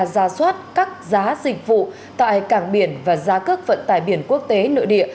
ra soát các giá dịch vụ tại cảng biển và giá cước vận tải biển quốc tế nội địa